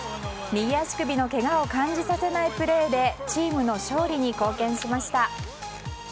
右足首のけがを感じさせないプレーでチームの勝利に貢献しました。